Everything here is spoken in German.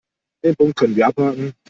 Den Punkt können wir abhaken.